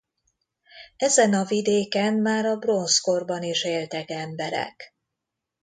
Ezen a vidéken már a bronzkorban is éltek emberek.